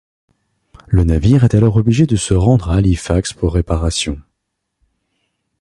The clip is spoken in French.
Le navire est alors obligé de se rendre à Halifax pour réparations.